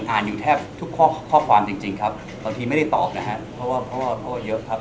อ่านอยู่แทบทุกข้อความจริงครับบางทีไม่ได้ตอบนะฮะเพราะว่าพ่อเยอะครับ